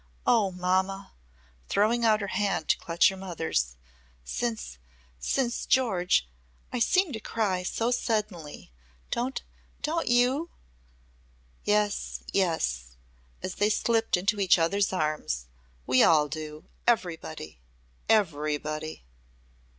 Oh, mamma!" throwing out her hand to clutch her mother's, "Since since George ! I seem to cry so suddenly! Don't don't you?" "Yes yes!" as they slipped into each other's arms. "We all do everybody everybody!"